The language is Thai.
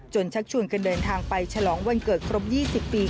ชักชวนกันเดินทางไปฉลองวันเกิดครบ๒๐ปี